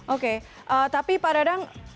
oke tapi pak dadang